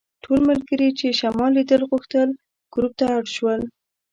ټول ملګري چې شمال لیدل غوښتل ګروپ ته اډ شول.